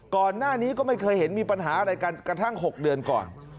ก่อนหน้านี้ก็ไม่เคยเห็นมีปัญหาอะไรกันกระทั่ง๖เดือนก่อน